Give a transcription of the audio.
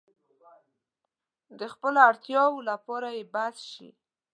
د خپلو اړتیاوو لپاره يې بس شي.